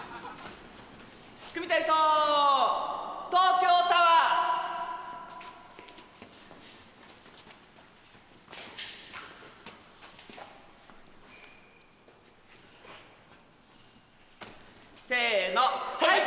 組体操東京タワーせーのはい！